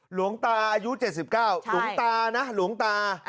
หลวงตาอายุ๗๙หลวงตานะหลวงตา